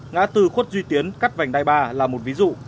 ngã từ khuất duy tiến cách vành đai ba là một ví dụ